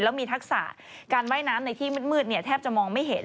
แล้วมีทักษะการว่ายน้ำในที่มืดแทบจะมองไม่เห็น